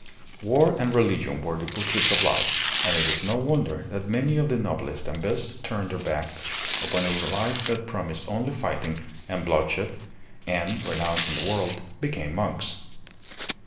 War and religion were the pursuits of life, and it is no wonder that many of the noblest and best turned their backs upon a life that promised only fighting and bloodshed and, renouncing the world, became monks.